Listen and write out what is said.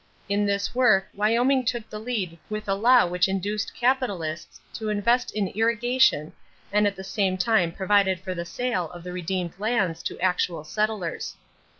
In this work Wyoming took the lead with a law which induced capitalists to invest in irrigation and at the same time provided for the sale of the redeemed lands to actual settlers.